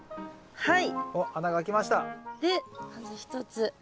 はい。